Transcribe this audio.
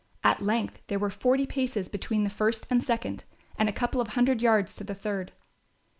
At length there were forty paces between the first and second, and a couple of hundred yards to the third.